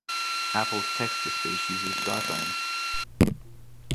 Apple's text-to-speech uses diphones.